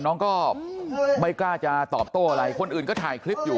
น้องก็ไม่กล้าจะตอบโต้อะไรคนอื่นก็ถ่ายคลิปอยู่